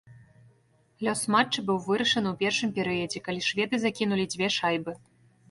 Лёс матча быў вырашаны ў першым перыядзе, калі шведы закінулі дзве шайбы.